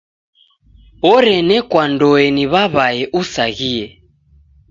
Orenekwandoe ni w'aw'ae usaghie.